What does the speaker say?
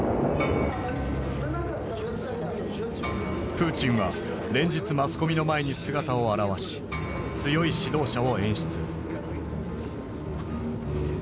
プーチンは連日マスコミの前に姿を現し強い指導者を演出。